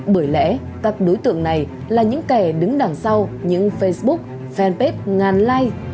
bởi lẽ các đối tượng này là những kẻ đứng đằng sau những facebook fanpage ngàn lai